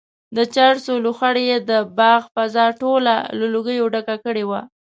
د چرسو لوخړو یې د باغ فضا ټوله له لوګیو ډکه کړې وه.